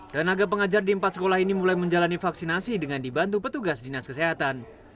tenaga pengajar di empat sekolah ini mulai menjalani vaksinasi dengan dibantu petugas dinas kesehatan